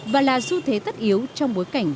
và là xu thế tất yếu trong bối cảnh